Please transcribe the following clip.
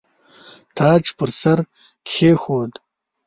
تاج پر سر کښېښود.